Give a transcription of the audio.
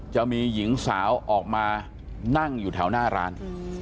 จะมีหญิงสาวออกมานั่งอยู่แถวหน้าร้าน